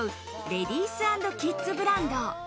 レディース＆キッズブランド。